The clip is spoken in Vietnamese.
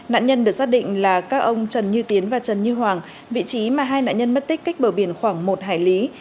nạn nhân được xác định là các ông trần như tiến và trần như hoàng vị trí mà hai nạn nhân mất tích cách bờ biển khoảng một hải lý